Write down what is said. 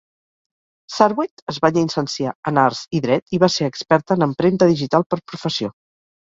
Sarwate es va llicenciar en Arts i dret i va ser experta en empremta digital per professió.